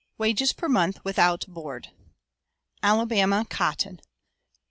WAGES PER MONTH (WITHOUT BOARD). +|| Cotton.